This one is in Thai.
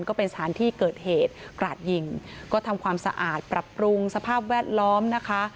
ก็เป็นสถานที่เกิดเหตุกราดยิงก็ทำความสะอาดปรับปรุงสภาพแวดล้อมนะคะ